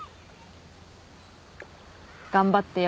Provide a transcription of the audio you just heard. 頑張ってよ